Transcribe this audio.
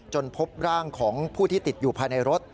พบร่างของผู้ที่ติดอยู่ภายในรถ